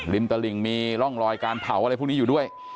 ตลิงมีร่องรอยการเผาอะไรพวกนี้อยู่ด้วย